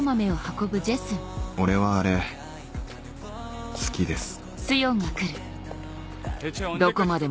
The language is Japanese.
俺はあれ好きです。